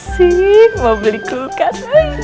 sih mau beli kulkas